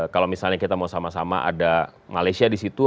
kalau misalnya kita mau sama sama ada malaysia di situ